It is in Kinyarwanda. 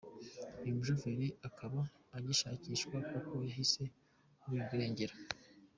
Uyu mushoferi akaba agishakishwa kuko yahise aburirwa irengero